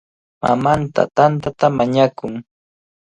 Mamanta tantata mañakun.